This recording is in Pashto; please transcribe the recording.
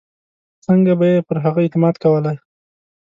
څنګه به یې پر هغه اعتماد کولای.